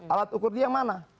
alat ukur dia yang mana